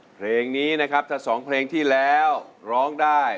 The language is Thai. เพลงนี้นะครับถ้า๒เพลงที่แล้วร้องได้